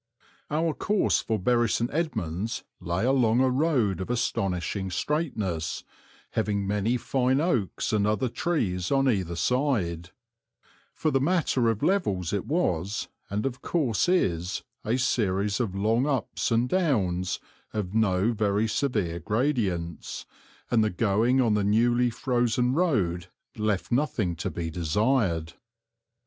Our course for Bury St. Edmunds lay along a road of astonishing straightness, having many fine oaks and other trees on either side; for the matter of levels it was, and of course is, a series of long ups and downs, of no very severe gradients, and the going on the newly frozen road left nothing to be desired.